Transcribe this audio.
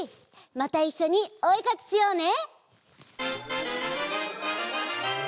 またいっしょにおえかきしようね！